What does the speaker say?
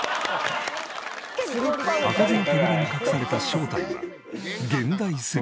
開かずの扉に隠された正体は現代スリッパ。